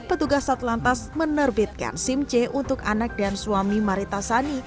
petugas satlantas menerbitkan sim c untuk anak dan suami marita sani